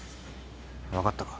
分かったか？